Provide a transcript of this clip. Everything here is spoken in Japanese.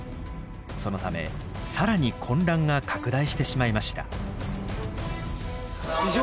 そのため更に混乱が拡大してしまいました。